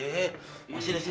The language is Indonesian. masih disini masih disini